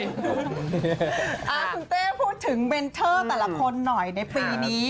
คุณเต้พูดถึงเบนเทอร์แต่ละคนหน่อยในปีนี้